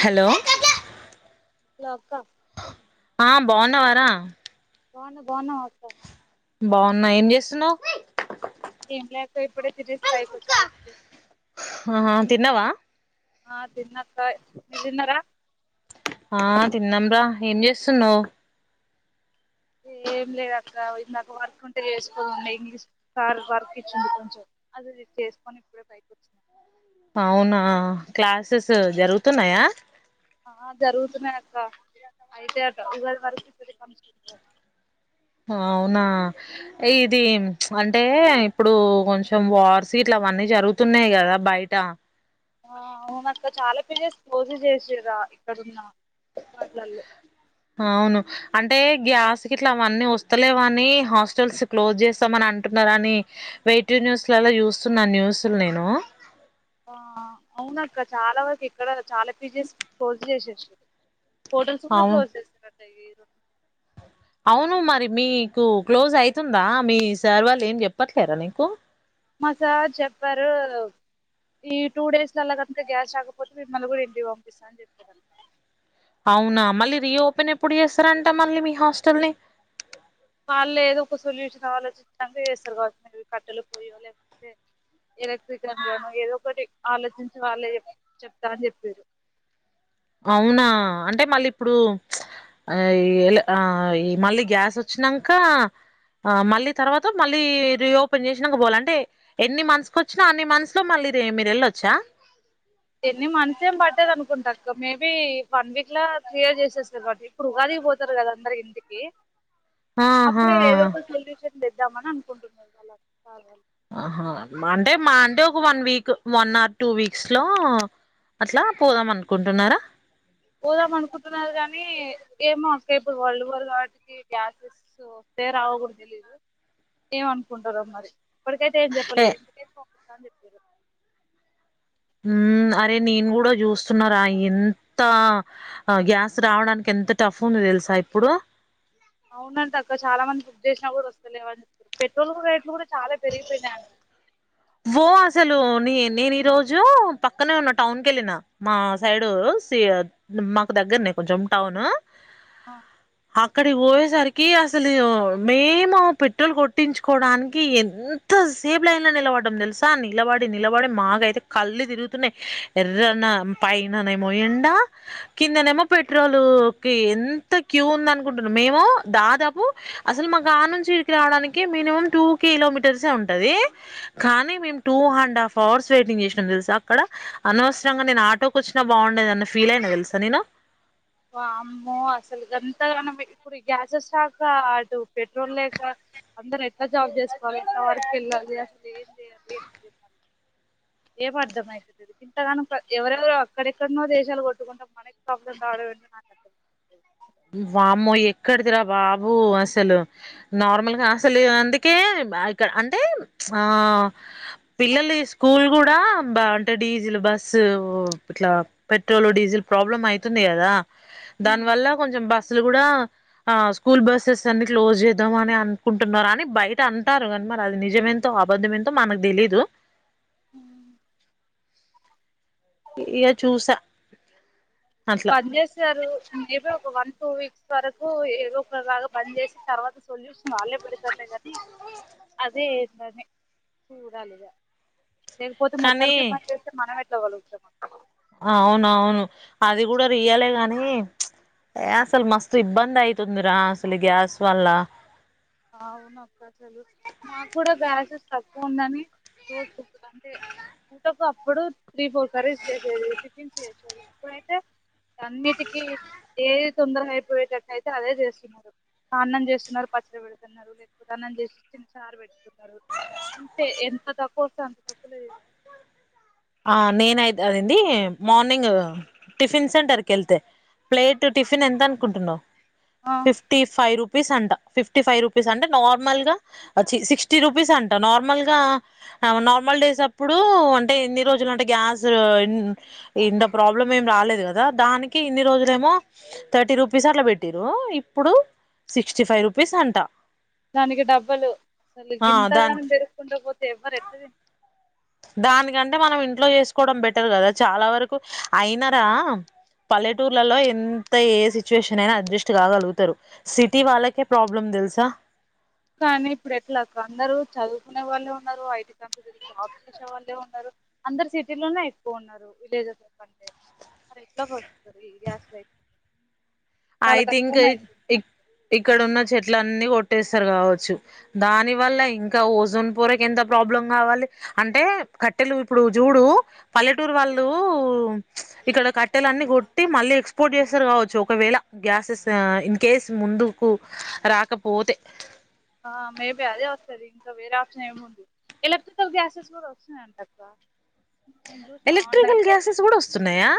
Hello లో క్కా ఆ బాగున్నావరా బాన్నా బాన్నావా అక్క బావున్నా యేం జేస్సున్నవ్ సో ఇప్పుడే తిటిన్ హా తిన్నవా ఆ తిన్నక్కా మీర్ దిన్నర ఆ తిన్నాం రా యేం జేస్సున్నవ్ ఏం లేదు అక్క ఇందాక వర్క్ ఉంటే చేసుకోండె ఇంగ్లీష్ సార్ వర్క్ ఇచ్చిండు కొంచెం అది చేసుకొని ఇప్పుడే పైకి వచ్చినా అవునా క్లాసెస్ జరుగుతున్నాయా ఆ జరుగుతున్నయ్ అక్క అయితే అట్ట ఉగాది వరకు [unintelligible] అవునా ఇది ప్చ్ అంటే ఇప్పుడు కొంచం వార్స్ ఇట్ల అవన్నీ జరుగుతున్నాయి గదా బైట. ఆ అవునక్క చాలా పీజెస్ క్లోజ్ చేసిర్రా ఇక్కడున్న వాటిలల్లో అవును అంటే గ్యాస్ గిట్లా అన్నీ వస్తలేవాని హాస్టల్స్ క్లోజ్ జేస్తమని అంటున్నరని, వే టూ న్యూస్ లల్లో చూస్తున్నా న్యూస్ లు నేను. ఆ అవును అక్క చాలా వరకు ఇక్కడ చాలా పీజెస్ క్లోజ్ చేసేసిర్రు హోటల్స్ కూడా అవును క్లోజ్ తె ఇరు అవును మరి మీకు క్లోజ్ అయితుందా, మీ సార్ వాళ్లు ఏం జెప్పట్లేరా నీకు మా సార్ చెప్పారు ఈ టూ డేస్ లల్లో గనుక గ్యాస్ రాకపోతే మిమ్మల్ని కూడా ఇంటికి పంపిస్సా అని చెప్పిర్రంటా, అవునా మళ్ళీ రీఓపెన్ ఎప్పుడు చేస్తరంట మళ్ళీ మీ హాస్టల్ ని వాళ్ళే ఏదో ఒక సొల్యూషన్ ఆలోచిచినంక ఏస్సరు కావా [unintelligible] వి కట్టెలు పొయ్యో లేకపోతే ఎలక్ట్రికన్ గనొ ఏదో ఒకటి ఆలోచించి వాళ్ళే చెప్తా అని చెప్పిర్రు. అవునా అంటే మళ్ళీ ఇప్పుడు ప్చ్ ఆ ఇ యల్ ఆ ఈ మళ్ళీ గ్యాస్ వచ్చినాంక, ఆ మళ్ళీ తర్వాత మళ్ళీ రీఓపెన్ చేసినాంక పోవాల అంటే ఎన్ని మంత్స్ కొచ్చినా అన్ని మంత్స్ లో మళ్ళీ రి మీరు వెళ్ళొచ్చా. ఎన్ని మంత్స్ యేం బట్టదు అనుకుంటా అక్క మేబీ వన్ వీక్ లో క్లియర్ చేసేస్తారు, గావట్టి ఇప్పుడు ఉగాదికి వోతారు గదా అందరు ఇంటికి. ఆహా అప్పుడే ఏదో ఒక సొల్యూషన్ చేద్దామని అను కుంటున్నారు మళ్ళ సార్ వాళ్ళు మాంటే మహ అంటే ఒక వన్ వీక్ మొన్న టూ వీక్స్ లో అట్లా పోదాం అనుకుంటున్నారా, పోదాం అనుకుంటున్నారు గానీ ఏమో అక్క ఇప్పుడు వల్డ్ వోర్ కావటికి గ్యాసెస్ వస్తే రావుకూడ తెలీయదు ఏమనుకుంటారో మరి, ఇప్పటికైతే ఏం ఏ చెప్పలే ఇంటికైతే వంపి స్తాన్ జెప్పిర్రు మ్మ్ అరే నేను కూడా చూస్తున్నారా యేంత గ్యాస్ రావడానికి ఎంత టఫ్ ఉంది తెలుసా ఇప్పుడు. అవును అంట అక్క చాలా మంది బుక్ జేసినా కూడా వస్తలేవనీ జెప్పిర్రు. పెట్రోల్ కు రేట్లు గూడి, చాలా పెరిగిపోయినయ్ అంట నేన్ నేను ఈ రోజు పక్కనే ఉన్న టౌన్ కెళ్ళిన మా సైడు సీ ఎ మాకు దగ్గరనే కొంచెం టౌను. అక్కడికి బోయే సరి కి అసలు మేము పెట్రోల్ కొట్టించుకోవడానికి ఎమ్ ఎంత సేప్ లైన్ లో నిలబడ్డం తెలుసా నిలబడి నిలబడి మాగైెయితే కళ్ళు తిరుగుతున్నాయి, ఎర్రనా పైననేమో ఎండ కిందనేమో పెట్రోల్ కి ఎంత క్యూ ఉంది అనుకుంటున్నాం. మేము దాదాపు అసలు మా గా నుంచి ఇడికి రావడానికి మినిమం టూ కిలోమీ తెలిసే ఉంటది కానీ మేము two and half hours waiting చేసినాం తెలుసా, అక్కడ అనవసరంగా నేను ఆటోకి వచ్చినా బాగుండేది అన్న ఫీల్ అయినా తెలుసా నేను. వామ్మో అసలు గంతగానం ఇప్పుడు గ్యాసెస్ రాక అటు పెట్రోల్ లేక అందరు ఎట్లా జాబ్ చేసుకోవాలి, ఎట్లా వర్క్ వెళ్ళాలి అసలు ఏం చేయాలి, [unintelligible] ఏమి అర్థమయితది ఇంతగానంక ఎవరెవరు అక్కడెక్కడనో దేశాలు కొట్టుకుంట మనకి ప్రాబ్లం రావడమేంటో నాకు అర్థమయితలేదు. వామ్మో ఎక్కడిదిరా బాబు అసలు నార్మల్గా అసలు అందుకే ఇగ అంటే ప్చ్ ఆ పిల్లల్లి స్కూల్ కూడా అంటే డీజిల్ బస్సు ఇట్లా పెట్రోల్ డీజిల్ ప్రాబ్లం అయితుంది కదా, ఉమ్ దానివల్ల కొంచం బస్సులు కూడా ఆ స్కూల్ బస్సెస్ అన్ని క్లోజ్ చేద్దాం అని అనుకుంటున్నారు అని బయట అంటారు. కానీ మరి అది నిజం ఏంతో అబద్ధం ఏంతో మనకు దెలీదు. ఈరోజు చూసా అట్లా పని చేసారు మేబి ఒక వన్ టూ వీక్స్ వరకు ఏదో ఒకలాగా బంద్ చేసి తర్వాత సొల్యూషన్ వాళ్ళే పడి ఒకె అదే ఏంటని చూడాలిగా లేకపోతే కానీ మొత్తానికి పని చేస్తే మనం పగులతాది అవునవును అది కూడా రియలే గాని ఏ అసలు మస్తు ఇబ్బంది అయితుందిరా అసలు గ్యాస్ వల్ల అ అవునుక్క అసలు మాకు కూడా గ్యాస్ తక్కువ ఉందని అంటే పూటకు అప్పుడు త్రీ ఫోర్ కర్రీస్ చేసేది టిఫిన్స్ చేసేది ఇప్పుడైతే అన్నిటికి ఏది తొందరగ అయిపోయేటట్టు అయితే అదే చేస్తున్నారు అన్నం చేస్తున్నారు పచ్చడి పెడి తున్నారు లేకపోతే అన్నం చేసి చిన్న చార్ పెట్టుకున్నారు అంటే ఎంత తక్కువ వస్తే అంత తక్కువలో చే ఆ నేనయి అదేంది మార్నింగ్ టిఫిన్ సెంటర్ క వెళ్తే ప్లేట్ టిఫిన్ ఎంత అనుకుంటున్నావు ఆ ఫిఫ్టీ ఫైవ్ రూ పీస్ అంట ఫిఫ్టీ ఫైవ్ రూపీస్ అంట నార్మల్ గా సిక్స్టీ రూపీస్ అంట నార్మల్ గా నార్మల్ డేస్ అప్పుడు అంటే ఎన్ని న్ని రోజులు అంటే గ్యాస్ ఇంత ప్రాబ్లం ఏం రాలేదు కదా దానికి ఇన్ని రోజులు ఏమో థర్టీ రూపీస్ అట్లా పెట్టిరు ఇప్పుడు సిక్స్టీ ఫైవ్ రూపీస్ అంట దానికి డబలు అసలు ఆ గింతరానా దానికి పెరుక్కుంటూ పోతే ఎవ్వరు ఎట్ల దానికంటే మనం ఇంట్లో చేసుకోవడం బెటర్ కదా చాలా వరకు అయినరా పల్లెటూర్లలో ఎంత ఏ సిచ్యువేషన్ అయినా అడ్జస్ట్ కాగలుగుతారు సిటీ వాళ్ళకే ప్రాబ్లమ్ తెలుసా నే వాళ్ళే ఉన్నారు ఐటీ కంపెనిలో జాబ్ చేసే వాళ్ళే ఉన్నారు అందరు సిటీలోనే ఎక్కువ ఉన్నారు విలేజస్ కంటే ఎట్ల బతుకుతారు ఏరియాస్ లో అయితే ఐ థింక్ ఇక్కడ ఉన్న చెట్ చెట్లన్నీ కొట్టేస్తారు కావచ్చు దాని వల్ల ఇంకా ఓజోన్ పూరకు ఎంత ప్రాబ్లం కావాలి అంటే కట్టెలు ఇప్పుడు చూడు పల్లెటూరు వాళ్ళు ఇక్కడ కట్టెలు అన్ని కొట్టి మళ్ళీ ఎక్స్పోర్ట్ చేస్తారు కావచ్చు ఒకవేళ గ్యాసెస్ ఇన్ కేస్ ముందుకు రాకపోతే ఆ మేబీ అదే వస్తది ఇంకా వేరే ఆప్షన్ ఏమి ఉంది ఎలక్ట్రికల్ గ్యాసెస్ కూడా వచ్చన్నాయి అంటక్క నేను చూసినా ఎలక్ట్రికల్ ఆన్లైన్ లో గ్యాసెస్ కూడా వస్తున్నాయా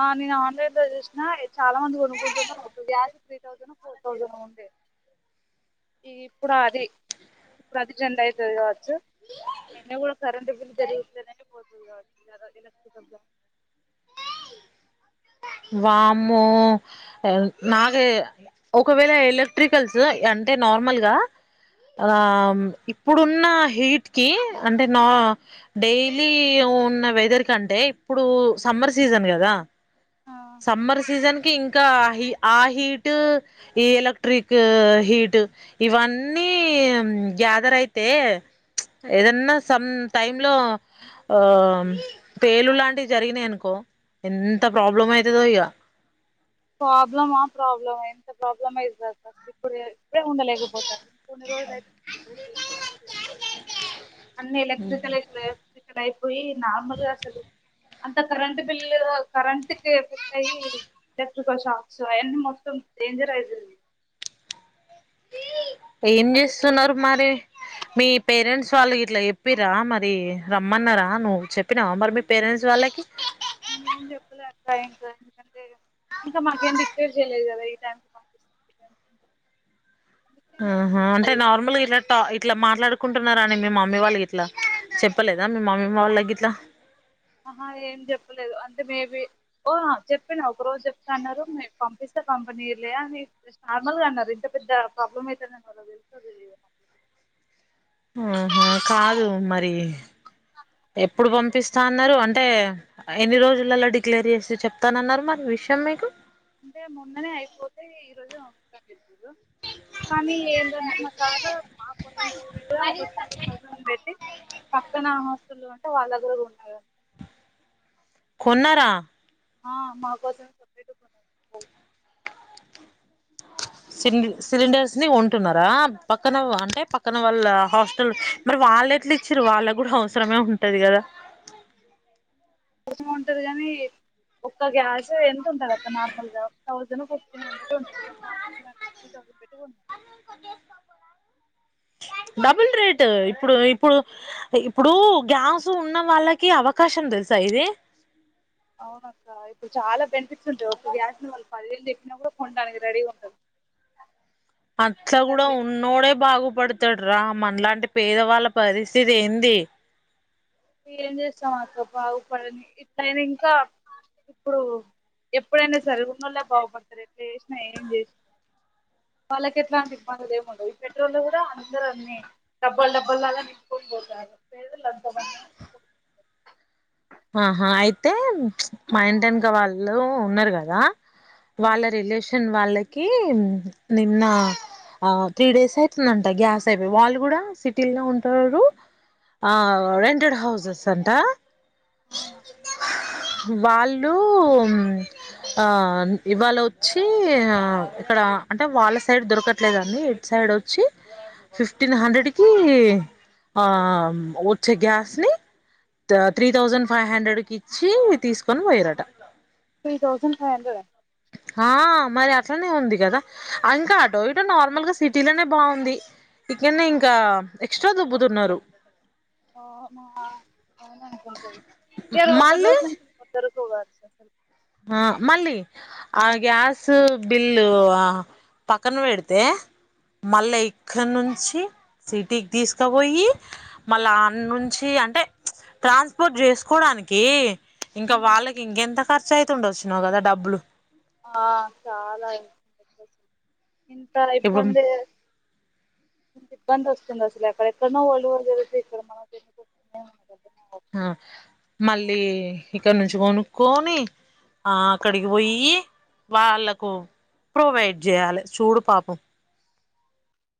ఆ నేను ఆన్లైన్ చూస నా చాలా మంది కొనుకుంటున్నారు ఒక gas three thousand four thousand ఉండే ఈ ఇప్పుడు అది ఇప్పుడు అది ట్రెండ్ అయితది కావచ్చు అన్న కూడా కరెంట్ బిల్ జరిగుతునే పోతుంది కావచ్చుద ఎలక్ట్రిక వామ్మో నాగ ఒకవేళ ఎలక్ట్రికల్స్ అంటే నార్మల్గా ఆ ఇప్పుడున్న హీట్ కి అంటే న డైలీ ఉన్న వెదర్ కి అంటే ఇప్పుడు సమ్మర్ సీజన్ కదా సమ్మర్ సీజన్ కి ఇంకా ఆ హీట్ ఈ ఎలక్ట్రిక్ హీట్ ఇవన్నీ గ్యాదర్ అయితే ఏదన్నా సమ్ టైమ్ లో ఆ పేలు లాంటివి జరిగినాయినుకో ఎంత ప్రాబ్లం అయి ఇయ ప్రాబ్లమా ప్రాబ్లమ్ ఎంత ప్రాబ్లమ్ అయితది ఇప్పు ఇప్పుడే ఉండలేకపోతారు ఇంకొన్ని రోజులు అయితే ఏం చేయాలో కూడా తెలీదు అన్న ఎలక్ట్రికల్ ఎలక్ట్రికల్ అయి పోయి నార్మల్గా అసలు అంత కరెంట్ బిల్లు కరెంట్ పెరుగుతాయి [unintelligible] అవన్ని మొత్తం డేంజర్ అయితది ఏం చేస్తున్నారు మరి మీ పేరెంట్స్ వాళ్ళకి ఇట్లా చెప్పిరా మరి రమ్మన్నార నువ్వు చెప్పినావా మరి మీ పేరెంట్స్ వాళ్ళకి నేను ఏం చెప్పలే అట్లా ఇంకా ఎందుకంటే ఇంకా మాకేం డిక్లేర్ చేయలేదు కదా ఈ టైంకి పంపిస్తాం ఆహా అంటే నార్మల్గా ఇలా ఇట్లా మాట్లాడుకుంటున్నారని మీ మమ్మీ వాళ్ళకి ఇట్లా చెప్పలేదా మీ మమ్మీ వాళ్ళకి ఇట్లా అహా ఏం చెప్పలేదు అంటే మే బీ, ఓహ్ అది చెప్పిండు ఒక రోజు చెప్తా అన్నరు మీరు పంపిస్తే పంపనీలే అని జస్ట్ నార్మల్గా అన్నరు. ఇంత పెద్ద ప్రాబ్లం అయితదనీ వాళ్ళకు తెలుసో తెలీదో. ఆహా, కాదు మరీ ఎప్పుడు పంపిస్తా అన్నరు? అంటే, ఎన్ని రోజులలో డిక్లేర్ చేసి చెప్తానన్నారు మరి విషయం మీకు? అంటే మొన్ననే అయిపోతే, ఈ రోజు [unintelligible] అని చెప్పిన్రు. స్వామి ఏంద్ర మసారు మాకోసం [unintelligible] టూ తౌసండ్ పెట్టీ పక్కన హాస్టల్ అంటే, వాళ్ళ దగ్గరగా గుడ ఉండాలిగద? కొన్నరా? ఆ, మాకోసమే సెపరేట్గా కొన్నరు [unintelligible] సిండి సిలిండర్స్ ని కొంటున్నరా? పక్కన వ అంటే పక్కన వాళ్ళ హాస్టల్, మరి వాళ్ళు ఎట్ల ఇచ్చిర్రు? వాళ్ళక్కూడ అవసరమే ఉంటది కదా? అవసరం ఉంటది గని, ఒక్క గ్యాసే ఎంతుంటదక్క నార్మల్ గా? తౌసండో, ఫిఫ్టీన్ హౌండ్రెడో ఉంటది. మా సార్ ఫిఫ్టీన్ హండ్రెడో, త్రీ తౌసండో పెట్టి కొన్నడు. డబుల్ రేట్, ఇప్పుడు, ఇప్పుడు, ఇప్పుడూ గ్యాస్ ఉన్న వాళ్ళకి అవకాశం తెలుసా ఇది? అవున అక్క, ఇప్పుడు చాలా బెనిఫిట్స్ ఉంటయి. ఒక గ్యాస్ ని వాళ్ళు పదివేలు చెప్పినా కూడా, కొనడానికి రెడీగా ఉంటదు. అట్ల కూడా ఉన్నోడే బాగుప్ పడుతడు రా, మనలాంటి పేదవాళ్ళ పరిస్థితి ఏంది? ఏం చేస్తాం అక్క బాగుపడని. ఇట్లయినా ఇంకా, ఇప్పుడు ఎప్పుడైనా సరే ఉన్నోల్లే బాగుపడతరు ఎట్లా చేసినా ఏం చేసినకూడ. వాళ్ళకి ఎట్లాంటి బాధలు ఏముండవు, ఈ పెట్రోల్ కూడా అందరు అన్ని డబ్బల్ డబ్బల్ లాగా నింపుకుని పోతార్రు. పేదలు అంత ఆహా అయితే, మా ఇంటెనక వాళ్ళు ఉన్నరు కదా? ఆ, వాళ్ళ రిలేషన్ ను వాళ్ళకి నిన్న ఆ త్రీ డేస్ అయితుందంట గ్యాస్ అయిపోయి, వాళ్ళు కూడా సిటీల్నే ఉంటరు, ఆ రెంటెడ్ హౌసెస్ అంటా. అవునా. వాళ్ళు ఆ ఇవాళ వచ్చి ఆ ఇక్కడ అంటే, వాళ్ళ సైడ్ దొరకట్లేదనీ ఇట్ సైడ్ ఒచ్చి, ఫిఫ్టీన్ హండ్రెడ్ కి ఆ వచ్చే గ్యాస్ ని త్రీ థౌసండ్ ఫైవ్ హండ్రెడ్ కి ఇచ్చి తీసుకని పోయిర్రట. Three thousand five hundred? ఆ, మరి అట్లనే ఉంది కదా. ఇంకా అటో, ఇటో నార్మల్ గా సిటీ లోనే బాగుంది, ఇక్కన్నే ఇంకా ఎక్స్ట్రా దొబ్బుతున్నరు. ఏదో, ఒక్క మళ్ళీ రోజు నింపుకుంటరు. [unintelligible] అసల్ ఆ మళ్ళీ, ఆ గ్యాస్ బిల్లు ఆ పక్కన పెడితే, మళ్ళ ఇక్కడి నుంచి సిటీకి తీసుకపోయి. మళ్ళా ఆన్నుంచి అంటే? ట్రాన్స్పోర్ట్ చేసుకోడానికి. ఇంక ఉమ్ వాళ్ళకి ఇంకెంత? కర్చై తుండొచ్చినవు కదా, డబ్బులు ఆ చాలా ఇంక [unintelligible] ఇంతల ఇప్పుడు ఇబ్బంది ఇబ్బందొస్తుంది అసలు, ఎక్కడ ఎక్కడ్నో ఓళ్ళు జరిగితే ఇక్కడ మనంకెందుకు [unintelligible] నాకర్ధం కాట్లే. ఆ మళ్ళీ ఇక్కడ నుంచి కొనుక్కొని ఆ అక్కడికి పోయి, వాళ్ళకు ప్రొవైడ్ చేయాలె చూడు పాపం.